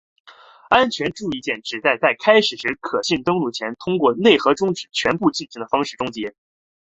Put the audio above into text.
安全注意键旨在在开始可信登录前通过使内核终止全部进程的方式终结。